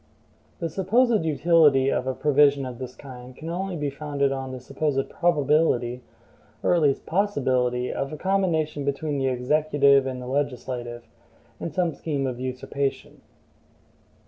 The supposed utility of a provision of this kind can only be founded on the supposed probability, or at least possibility, of a combination between the executive and the legislative, in some scheme of usurpation.